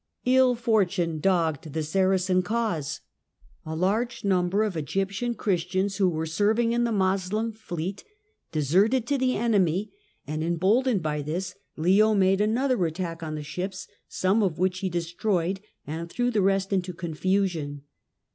Ill fortune dogged the Saracen cause. A large number of Egyptian Christians, who 136 THE DAWN OF MEDIAEVAL EUROPE were serving in the Moslem fleet, deserted to the enemy, and emboldened by this, Leo made another attack on the ships, some of which he destroyed and threw the rest into confusion.